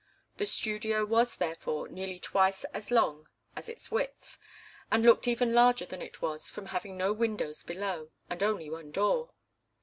The studio was, therefore, nearly twice as long as its width, and looked even larger than it was from having no windows below, and only one door.